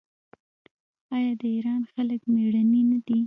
آیا د ایران خلک میړني نه دي؟